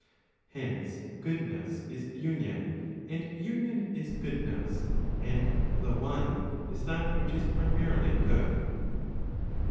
Hence, goodness is union, and union is goodness, and the one is that which is primarily good.